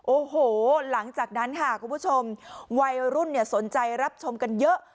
โอ้โหหลังจากนั้นค่ะคุณผู้ชมวัยรุ่นสนใจรับชมกันเยอะ